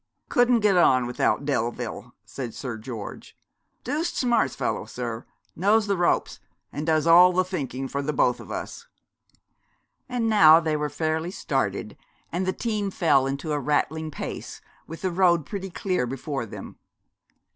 'Couldn't get on without Delville,' said Sir George; 'dooced smart fellow, sir. Knows the ropes; and does all the thinking for both of us.' And now they were fairly started, and the team fell into a rattling pace, with the road pretty clear before them.